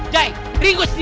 ya ampun ya ampun